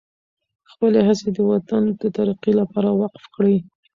خپلې هڅې د وطن د ترقۍ لپاره وقف کړئ.